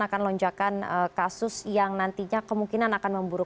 akan lonjakan kasus yang nantinya kemungkinan akan memburuk